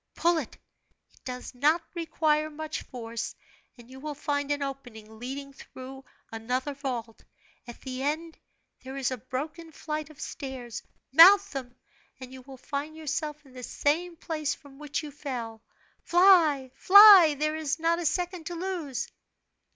Pull it it does not require much force and you will find an opening leading through another vault; at the end there is a broken flight of stairs, mount them, and you will find yourself in the same place from which you fell. Fly, fly! There is not a second to lose!"